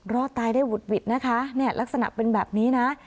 รอดตายได้หุดหวิดนะคะเนี่ยลักษณะเป็นแบบนี้นะ